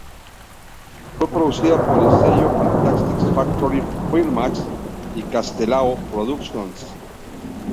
Fue producida por el sello Fantastic Factory de Filmax y Castelao Productions.